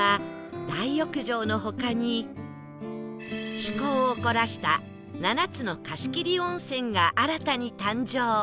趣向を凝らした７つの貸し切り温泉が新たに誕生